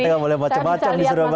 kita nggak boleh macem macem di surabaya